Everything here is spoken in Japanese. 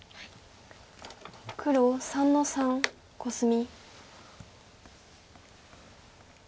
黒３の三コスミ。